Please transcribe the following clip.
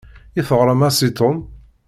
I teɣrem-as i Tom?